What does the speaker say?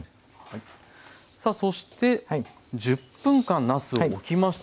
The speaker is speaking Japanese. さあそして１０分間なすをおきました。